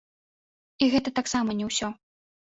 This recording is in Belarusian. І гэта таксама не ўсё.